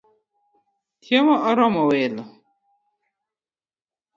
Chiemo oromo welo